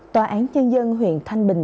tòa án nhân dân huyện thanh bình